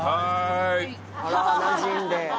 「あらなじんで」